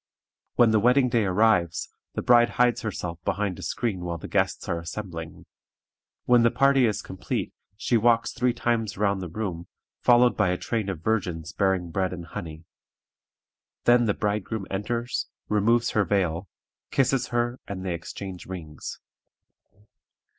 When the wedding day arrives, the bride hides herself behind a screen while the guests are assembling. When the party is complete, she walks three times round the room, followed by a train of virgins bearing bread and honey. Then the bridegroom enters, removes her veil, kisses her, and they exchange rings.